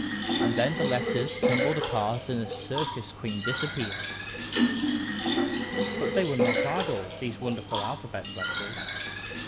And then the Letters tumbled apart and the Circus Queen disappeared. But they were not idle, these wonderful Alphabet Letters.